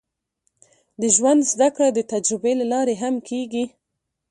د ژوند زده کړه د تجربې له لارې هم کېږي.